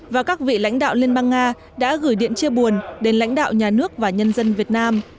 và các vị lãnh đạo liên bang nga đã gửi điện chia buồn đến lãnh đạo nhà nước và nhân dân việt nam